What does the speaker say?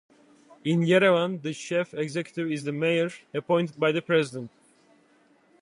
In Yerevan, the chief executive is the mayor, appointed by the president.